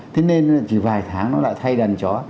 thế nên chỉ vài tháng nó lại thay đàn chó